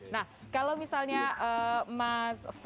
nah kalau misalnya mas